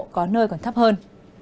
có nơi còn thấp hơn